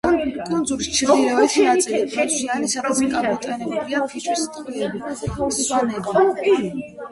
კუნძულის ჩრდილოეთი ნაწილი ბორცვიანია, სადაც გაბატონებულია ფიჭვის ტყეები და სავანები.